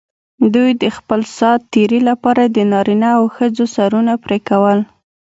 دوی د خپل سات تېري لپاره د نارینه او ښځو سرونه پرې کول.